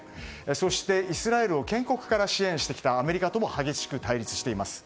そしてイスラエルを建国から支援してきたアメリカとも激しく対立しています。